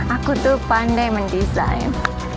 aku tuh pandai mendesain